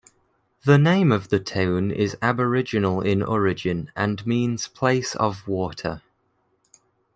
The name of the town is Aboriginal in origin and means "place of water".